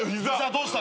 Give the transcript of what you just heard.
どうした！？